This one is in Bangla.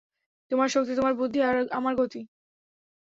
তোমার শক্তি, তোমার বুদ্ধি আর আমার গতি।